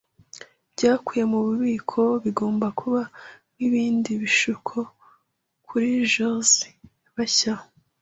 byakuwe mububiko, bigomba kuba nkibindi bishuko kuri jazz bashya